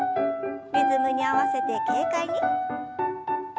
リズムに合わせて軽快に。